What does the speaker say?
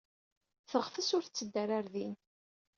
Teɣtes ur tetteddu ara ɣer din.